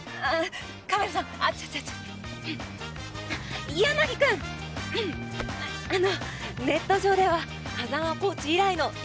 あの」